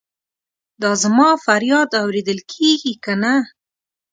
دا زما فریاد اورېدل کیږي کنه؟